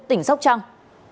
tỉnh sóc trăng